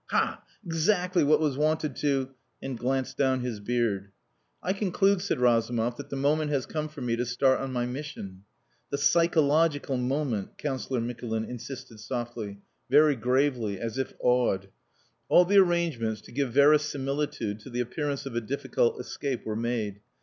Ha! Exactly what was wanted to..." and glanced down his beard. "I conclude," said Razumov, "that the moment has come for me to start on my mission." "The psychological Moment," Councillor Mikulin insisted softly very gravely as if awed. All the arrangements to give verisimilitude to the appearance of a difficult escape were made.